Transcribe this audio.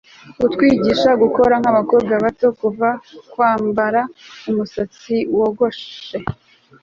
kutwigisha gukora nkabakobwa bato, kuva kwambara, umusatsi wogoshe